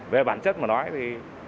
về bản chất mà nói thì